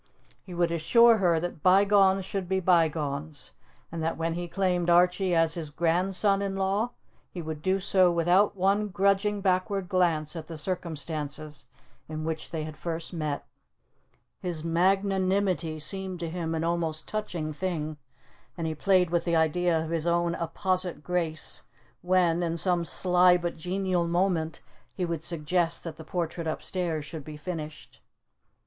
He would assure her that bygones should be bygones, and that when he claimed Archie as his grandson in law, he would do so without one grudging backward glance at the circumstances in which they had first met. His magnanimity seemed to him an almost touching thing, and he played with the idea of his own apposite grace when, in some sly but genial moment, he would suggest that the portrait upstairs should be finished.